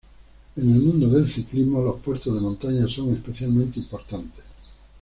En el mundo del ciclismo los puertos de montaña son especialmente importantes.